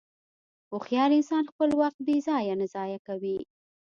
هوښیار انسان خپل وخت بېځایه نه ضایع کوي.